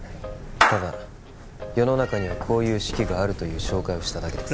ただ世の中にはこういう式があるという紹介をしただけです